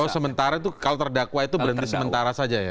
oh kalau terdakwah itu berhenti sementara saja ya